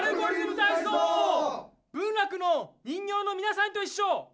文楽の人形のみなさんといっしょ！